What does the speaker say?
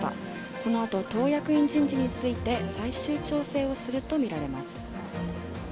このあと党役員人事について、最終調整をすると見られます。